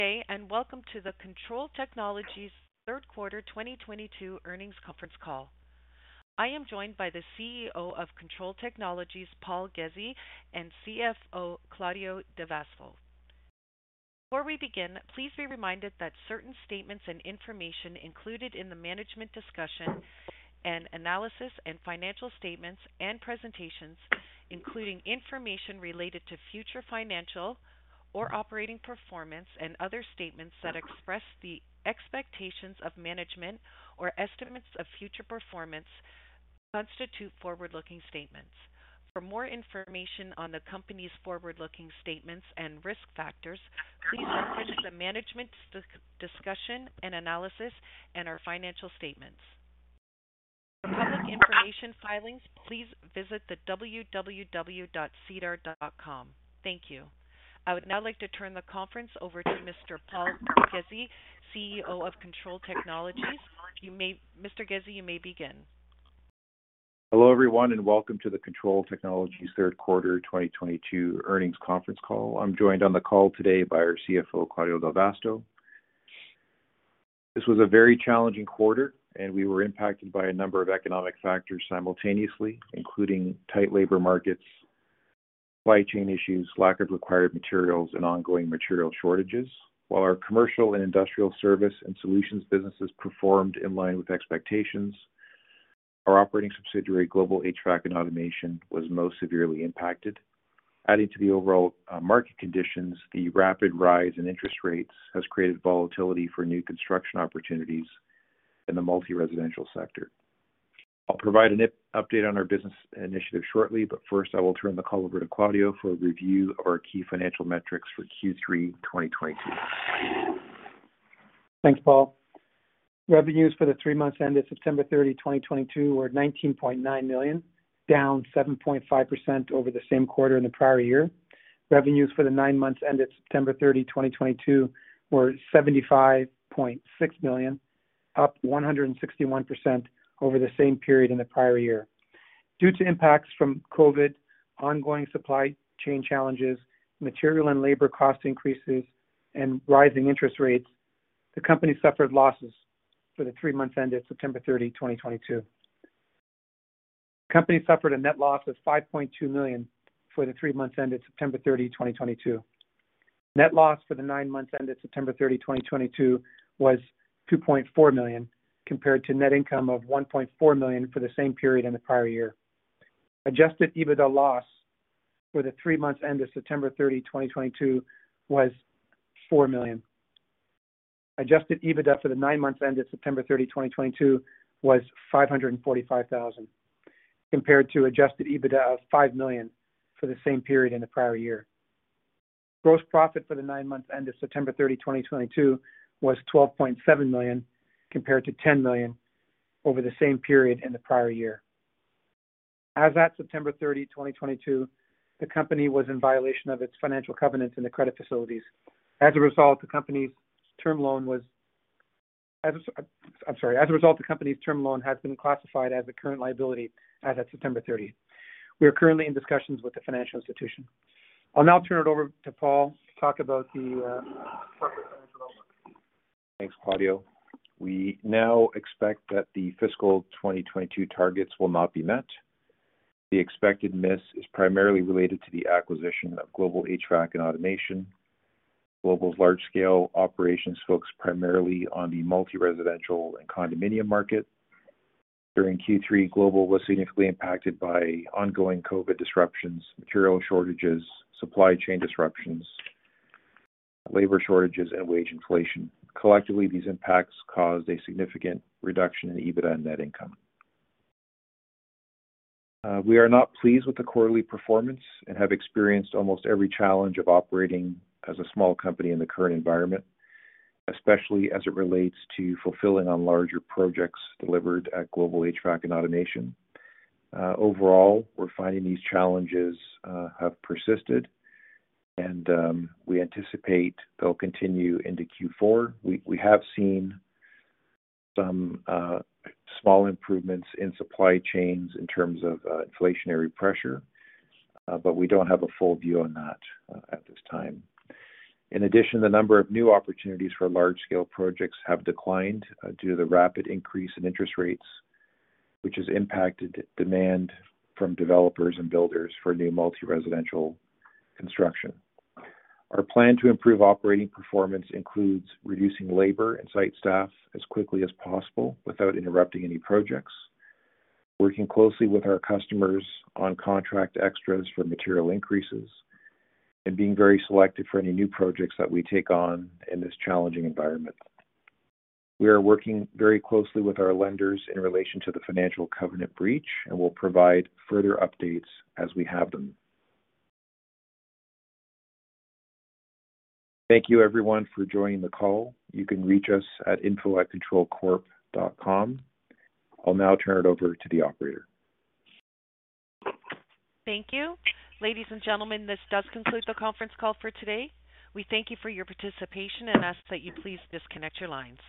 Good day and welcome to the Kontrol Technologies Q3 2022 earnings conference call. I am joined by the CEO of Kontrol Technologies, Paul Ghezzi, and CFO Claudio Del Vasto. Before we begin, please be reminded that certain statements and information included in the management discussion and analysis and financial statements and presentations, including information related to future financial or operating performance and other statements that express the expectations of management or estimates of future performance constitute forward-looking statements. For more information on the company's forward-looking statements and risk factors, please reference the management discussion and analysis and our financial statements. For public information filings, please visit www.sedar.com. Thank you. I would now like to turn the conference over to Mr. Paul Ghezzi, CEO of Kontrol Technologies. Mr. Ghezzi, you may begin. Hello, everyone, and welcome to the Kontrol Technologies Q3 2022 earnings conference call. I'm joined on the call today by our CFO, Claudio Del Vasto. This was a very challenging quarter, and we were impacted by a number of economic factors simultaneously, including tight labor markets, supply chain issues, lack of required materials, and ongoing material shortages. While our commercial and industrial service and solutions businesses performed in line with expectations, our operating subsidiary, Global HVAC & Automation, was most severely impacted. Adding to the overall market conditions, the rapid rise in interest rates has created volatility for new construction opportunities in the multi-residential sector. I'll provide an update on our business initiatives shortly, but first I will turn the call over to Claudio for a review of our key financial metrics for Q3 2022. Thanks, Paul. Revenues for the 3 months ended September 30, 2022 were 19.9 million, down 7.5% over the same quarter in the prior year. Revenues for the 9 months ended September 30, 2022 were 75.6 million, up 161% over the same period in the prior year. Due to impacts from COVID, ongoing supply chain challenges, material and labor cost increases, and rising interest rates, the company suffered losses for the 3 months ended September 30, 2022. The company suffered a net loss of 5.2 million for the 3 months ended September 30, 2022. Net loss for the 9 months ended September 30, 2022 was 2.4 million, compared to net income of 1.4 million for the same period in the prior year. Adjusted EBITDA loss for the three months ended September 30, 2022 was CAD 4 million. Adjusted EBITDA for the nine months ended September 30, 2022 was CAD 545 thousand, compared to adjusted EBITDA of CAD 5 million for the same period in the prior year. Gross profit for the nine months ended September 30, 2022 was 12.7 million, compared to 10 million over the same period in the prior year. As at September 30, 2022, the company was in violation of its financial covenants in the credit facilities. As a result, the company's term loan has been classified as a current liability as at September 30. We are currently in discussions with the financial institution. I'll now turn it over to Paul to talk about the corporate financial overview. Thanks, Claudio. We now expect that the fiscal 2022 targets will not be met. The expected miss is primarily related to the acquisition of Global HVAC & Automation. Global's large scale operations focus primarily on the multi-residential and condominium market. During Q3, Global was significantly impacted by ongoing COVID disruptions, material shortages, supply chain disruptions, labor shortages, and wage inflation. Collectively, these impacts caused a significant reduction in EBITDA and net income. We are not pleased with the quarterly performance and have experienced almost every challenge of operating as a small company in the current environment, especially as it relates to fulfilling on larger projects delivered at Global HVAC & Automation. Overall, we're finding these challenges have persisted and we anticipate they'll continue into Q4. We have seen some small improvements in supply chains in terms of inflationary pressure, but we don't have a full view on that at this time. In addition, the number of new opportunities for large scale projects have declined due to the rapid increase in interest rates, which has impacted demand from developers and builders for new multi-residential construction. Our plan to improve operating performance includes reducing labor and site staff as quickly as possible without interrupting any projects, working closely with our customers on contract extras for material increases, and being very selective for any new projects that we take on in this challenging environment. We are working very closely with our lenders in relation to the financial covenant breach, and we'll provide further updates as we have them. Thank you everyone for joining the call. You can reach us at info@kontrolcorp.com. I'll now turn it over to the operator. Thank you. Ladies and gentlemen, this does conclude the conference call for today. We thank you for your participation and ask that you please disconnect your lines.